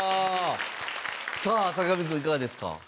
さあ坂上くんいかがですか？